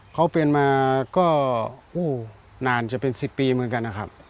เขาเป็นมาก็นานจะเป็น๑๐ปีเหมือนกันนะครับ